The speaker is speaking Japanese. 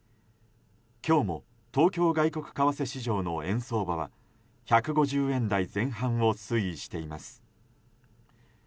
今日も東京外国為替市場の円相場は１５０円台前半を推移しています。